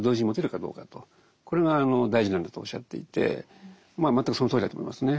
これが大事なんだとおっしゃっていて全くそのとおりだと思いますね。